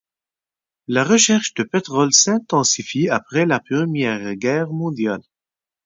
La recherche de pétrole s'intensifie après la Première Guerre mondiale.